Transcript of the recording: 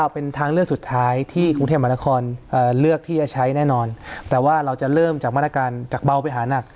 เป็นทางเลือกสุดท้ายที่กรุงเทพมหานครเลือกที่จะใช้แน่นอนแต่ว่าเราจะเริ่มจากมาตรการจากเบาไปหานัก